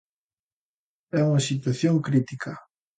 É unha situación crítica.